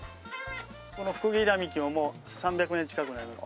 このフクギ並木ももう３００年近くになります。